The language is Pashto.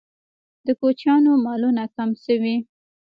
د کوچیانو مالونه کم شوي؟